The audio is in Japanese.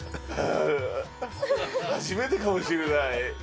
初めてかもしれない。